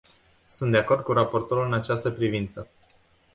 Sunt de acord cu raportorul în această privință.